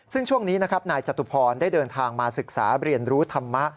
ซึ่งช่วงนี้นะครับนายจตุพรได้เดินทางมาศึกษาเรียนรู้ธรรมะ